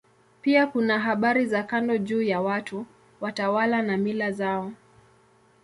Pia kuna habari za kando juu ya watu, watawala na mila zao.